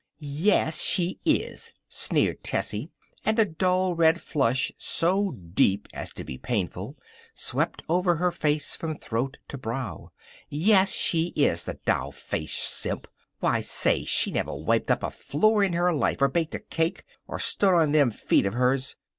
"Ya as she is!" sneered Tessie, and a dull red flush, so deep as to be painful, swept over her face from throat to brow. "Ya as she is, the doll faced simp! Why, say, she never wiped up a floor in her life, or baked a cake, or stood on them feet of hers.